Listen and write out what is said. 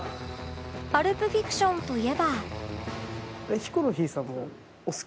『パルプ・フィクション』といえば